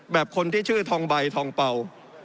คนที่ชื่อทองใบทองเป่า